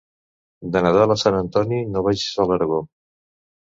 De Nadal a Sant Antoni no vagis a l'Aragó.